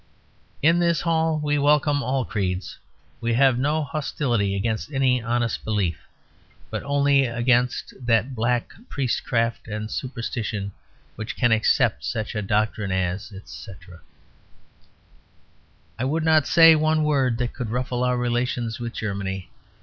"In this hall we welcome all creeds. We have no hostility against any honest belief; but only against that black priestcraft and superstition which can accept such a doctrine as," etc. "I would not say one word that could ruffle our relations with Germany.